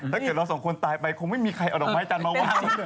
ถ้าเกิดเราสองคนตายไปคงไม่มีใครเอาดอกไม้จันทร์มาวาง